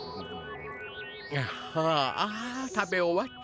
ああ食べ終わっちゃった。